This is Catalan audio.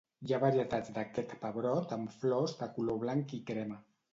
Hi ha varietats d'aquest pebrot amb flors de color blanc i crema.